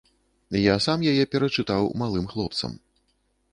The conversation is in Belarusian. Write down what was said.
Я сам яе перачытаў малым хлопцам.